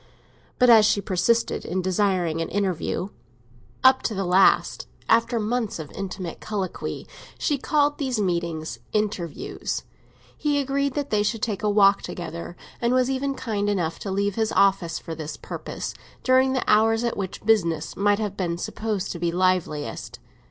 But as she persisted in desiring an interview—up to the last, after months of intimate colloquy, she called these meetings "interviews"—he agreed that they should take a walk together, and was even kind enough to leave his office for this purpose, during the hours at which business might have been supposed to be liveliest.